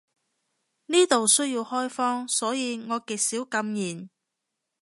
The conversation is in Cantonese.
呢度需要開荒，所以我極少禁言